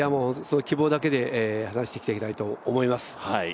希望だけで話していきたいと思います。